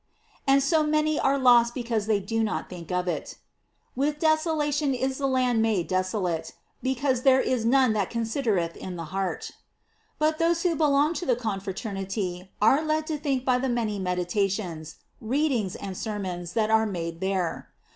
"f And so many are lost because they do not think of it: "With desolation is all the land made desolate, because there is none that considereth in the heart." J But those who belong to the confraternity are led to think by the many meditations, readings, and sermons that are made there.